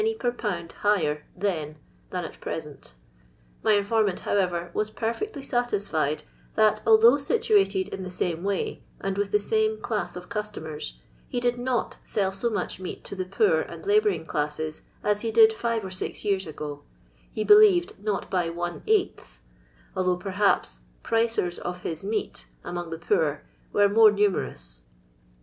per lb. higher then than at present My informant, however, was perfectly satisfied that, although situated in the same way, and with the same chus of customers, he did not sell so much meat to the poor and labouring classes as he did five or six years ago, he Uliaed not hy one^gldK, although perhaps " pricert of his meat " among the poor were more numeroui.